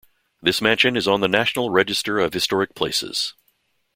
This mansion is on the National Register of Historic Places.